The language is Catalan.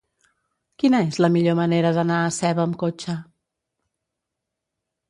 Quina és la millor manera d'anar a Seva amb cotxe?